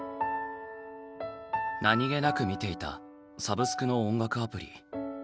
何気なく見ていたサブスクの音楽アプリ